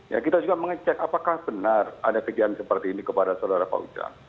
ya kita juga mengecek apakah benar ada kejadian seperti ini kepada saudara pak ujang